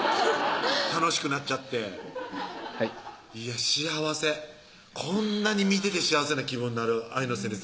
楽しくなっちゃってはいいや幸せこんなに見てて幸せな気分なる愛の旋律